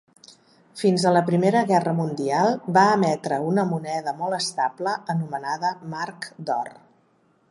Fins a la Primera Guerra Mundial, va emetre una moneda molt estable anomenada marc d'or.